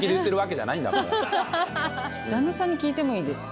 旦那さんに聞いてもいいですか。